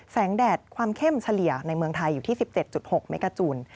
แดดความเข้มเฉลี่ยในเมืองไทยอยู่ที่๑๗๖เมกาจูน